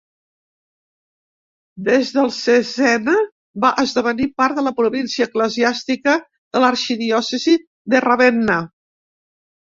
Des del Cesena va esdevenir part de la província eclesiàstica de l'arxidiòcesi de Ravenna.